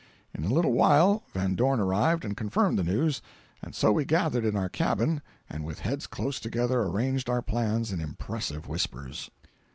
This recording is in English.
In a little while Van Dorn arrived and confirmed the news; and so we gathered in our cabin and with heads close together arranged our plans in impressive whispers.